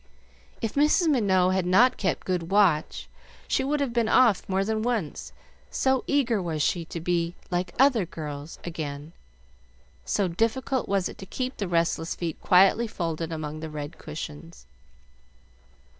If Mrs. Minot had not kept good watch, she would have been off more than once, so eager was she to be "like other girls" again, so difficult was it to keep the restless feet quietly folded among the red cushions.